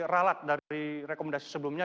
ralat dari rekomendasi sebelumnya